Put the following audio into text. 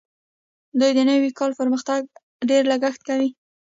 دوی د نوي کال پر مهال ډېر لګښت کوي.